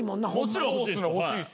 もちろん欲しいです。